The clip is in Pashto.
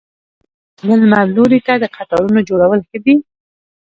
د لمر لوري ته د قطارونو جوړول ښه دي؟